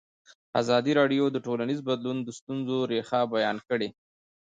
ازادي راډیو د ټولنیز بدلون د ستونزو رېښه بیان کړې.